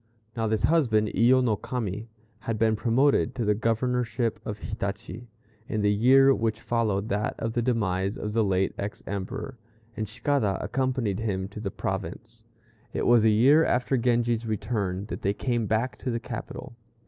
Now this husband Iyo no Kami, had been promoted to the governorship of Hitachi, in the year which followed that of the demise of the late ex Emperor, and Cicada accompanied him to the province. It was a year after Genji's return that they came back to the capital.